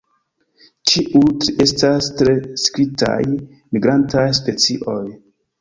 Ĉiuj tri estas tre striktaj migrantaj specioj.